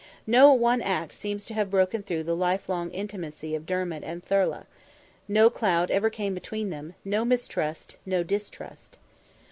No one act seems to have broken the life long intimacy of Dermid and Thorlogh; no cloud ever came between them; no mistrust, no distrust.